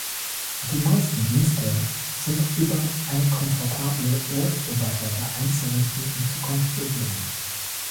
Die meisten Dienste sind über eine komfortable Weboberfläche einzurichten und zu konfigurieren.